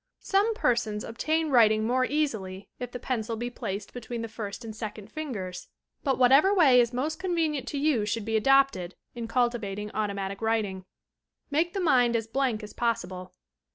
Some persons obtain writing more easily if the pencil be placed between the first and second fingers, but what Ul 142 TOUR PSYCHIC POWERS ever way is most convenient to you should be adopted in cultivating automatic writing. Make the mind as blank as possible.